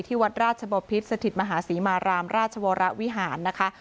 วัดราชบพิษสถิตมหาศรีมารามราชวรวิหารนะคะ